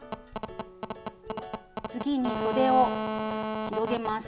次にそでを広げます。